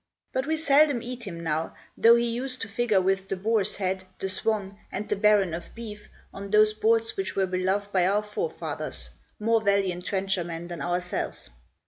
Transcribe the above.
But we seldom eat him now, though he used to figure with the boar's head, the swan and the baron of beef on those boards which were beloved by our forefathers, more valiant trenchermen than ourselves.